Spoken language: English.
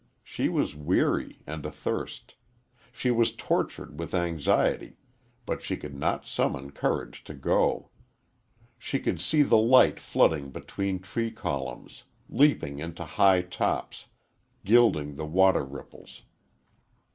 She was weary and athirst; she was tortured with anxiety, but she could not summon courage to go. She could see the light flooding between tree columns, leaping into high tops, gilding the water ripples.